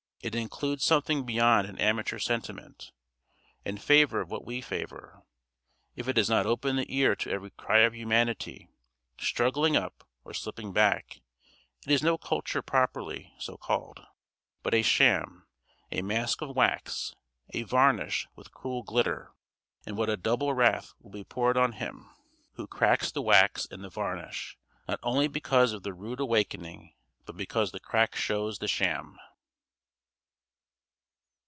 It includes something beyond an amateur sentiment; in favor of what we favor. If it does not open the ear to every cry of humanity, struggling up or slipping back, it is no culture properly so called, but a sham, a mask of wax, a varnish with cruel glitter; and what a double wrath will be poured on him who cracks the wax and the varnish, not only because of the rude awakening, but because the crack shows the sham.